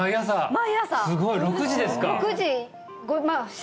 毎朝すごい６時ですか！